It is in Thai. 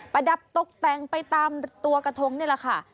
ประดับตกแต่งไปตามตัวกระทงนี่แหละค่ะ